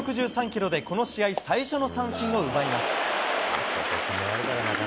１６３キロでこの試合最初の三振を奪います。